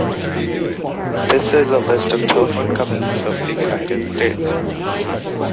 This is a list of telephone companies of the United States.